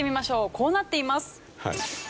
こうなっています。